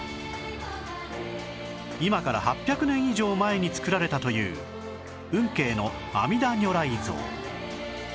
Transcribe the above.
今から８００年以上前に作られたという運慶の阿弥陀如来像